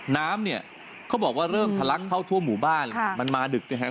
น้ำเนี่ยเขาบอกว่าเริ่มทะลักเข้าทั่วหมู่บ้านมันมาดึกนะครับ